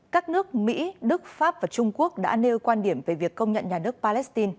các nước mỹ đức pháp và trung quốc đã nêu quan điểm về việc công nhận nhà nước palestine